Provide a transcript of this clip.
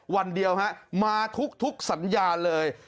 วันเดียวฮะมาทุกสัญญาเลย